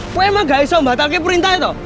kau emang nggak bisa membatalkan perintah itu